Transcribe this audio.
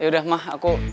yaudah ma aku